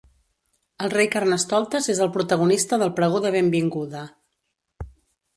El Rei Carnestoltes és el protagonista del pregó de benvinguda.